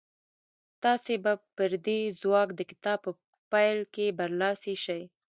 تاسې به پر دې ځواک د کتاب په پيل کې برلاسي شئ.